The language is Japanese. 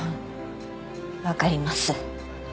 わかります。